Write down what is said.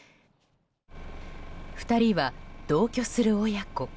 ２人は同居する親子。